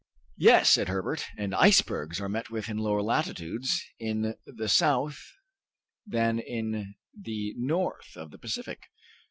"Yes," said Herbert, "and icebergs are met with in lower latitudes in the south than in the north of the Pacific."